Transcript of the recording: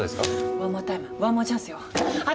ワンモアタイムワンモアチャンスよ私！